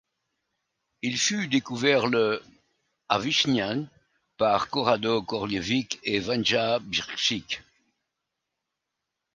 Il fut découvert le à Višnjan par Korado Korlević et Vanja Brcić.